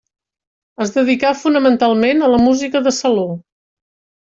Es dedicà fonamentalment a la música de saló.